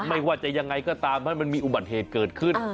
ไม่ว่าจะยังไงก็ตามให้มันมีอุบัติเหตุเกิดขึ้น